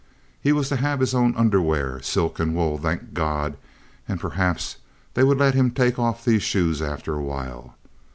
He was to have his own underwear, silk and wool—thank God!—and perhaps they would let him take off these shoes after a while.